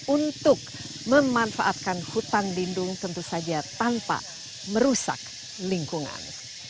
untuk memanfaatkan hutan lindung tentu saja tanpa merusak lingkungan